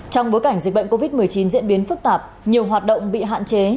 trong bối cảnh dịch bệnh covid một mươi chín diễn biến phức tạp nhiều hoạt động bị hạn chế